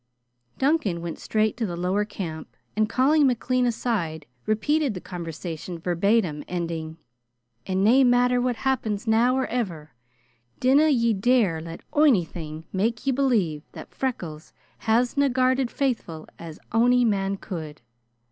Duncan went straight to the lower camp, and calling McLean aside, repeated the conversation verbatim, ending: "And nae matter what happens now or ever, dinna ye dare let onythin' make ye believe that Freckles hasna guarded faithful as ony man could."